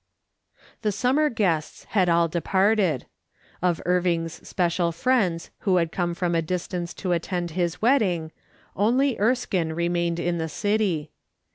The summer guests had all departed. Of Irving's special friends who had come from a distance to attend his wedding, only Erskine remained in the city.